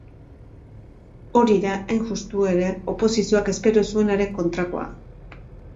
Hori da hain justu ere oposizioak espero zuenaren kontrakoa.